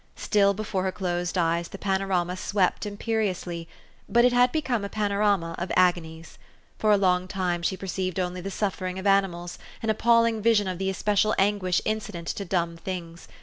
Still before her closed eyes the panorama swept imperiously ; but it had become a panorama of agonies. For a long time she per ceived only the suffering of animals, an appalling vision of the especial anguish incident to dumb things.